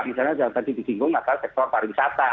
misalnya tadi di bingung masalah sektor pariwisata